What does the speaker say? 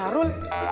itu banyak lagi